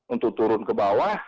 untuk turun ke bawah